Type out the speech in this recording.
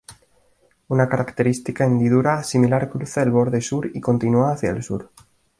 Una característica hendidura similar cruza el borde sur y continúa hacia el sur.